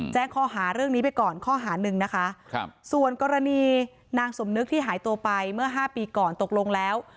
แจ้งข้อหาเรื่องนี้ไปก่อนข้อหาหนึ่งนะคะครับส่วนกรณีนางสมนึกที่หายตัวไปเมื่อ๕ปีก่อนตกลงแล้ว